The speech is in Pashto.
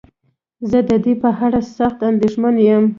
زه ددې په اړه سخت انديښمن يم.